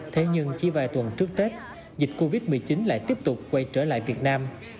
thế nhưng chỉ vài tuần trước tết dịch covid một mươi chín lại tiếp tục quay trở lại việt nam